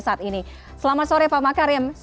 saat ini selamat sore pak makarim